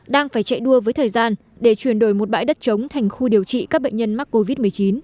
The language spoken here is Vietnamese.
đang phải chạy đua với thời gian để chuyển đổi một bãi đất trống thành khu điều trị các bệnh nhân mắc covid một mươi chín